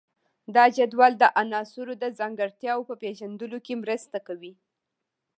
دا جدول د عناصرو د ځانګړتیاوو په پیژندلو کې مرسته کوي.